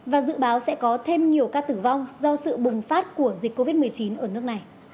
và dự báo sẽ có thêm nhiều ca tử vong do sự bùng phát của dịch covid một mươi chín ở nước này